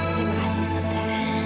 terima kasih sista